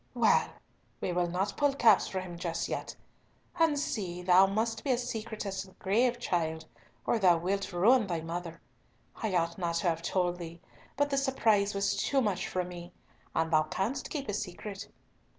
"Well! we will not pull caps for him just yet. And see, thou must be secret as the grave, child, or thou wilt ruin thy mother. I ought not to have told thee, but the surprise was too much for me, and thou canst keep a secret.